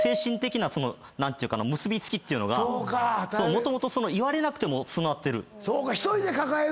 もともと言われなくても備わってる。